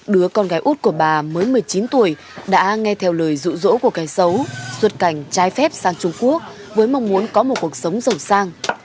đứa con gái út của bà mới một mươi chín tuổi đã nghe theo lời rụ rỗ của kẻ xấu xuất cảnh trái phép sang trung quốc với mong muốn có một cuộc sống giàu sang